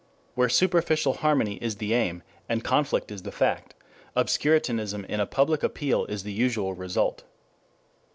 Where superficial harmony is the aim and conflict the fact, obscurantism in a public appeal is the usual result.